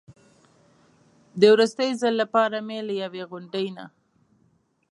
د وروستي ځل لپاره مې له یوې غونډۍ نه.